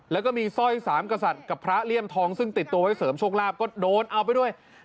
แล้วก็มีสร้อยสามกษัตริย์กับพระเลี่ยมทองซึ่งติดตัวไว้เสริมโชคลาภก็โดนเอาไปด้วย